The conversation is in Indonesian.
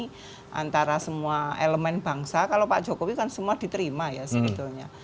jadi antara semua elemen bangsa kalau pak jokowi kan semua diterima ya sebetulnya